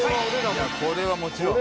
これはもちろん。